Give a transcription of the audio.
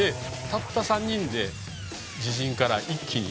たった３人で自陣から一気に。